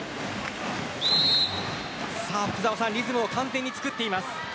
リズムを完全につくっています。